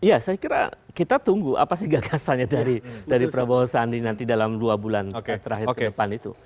ya saya kira kita tunggu apa sih gagasannya dari prabowo sandi nanti dalam dua bulan terakhir ke depan itu